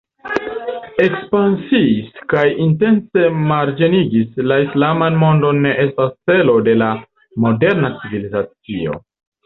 Ekspansii kaj intence marĝenigi la islaman mondon ne estas celo de la moderna civilizacio.